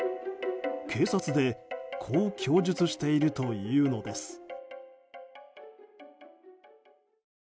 警察でこう供述しているというのです。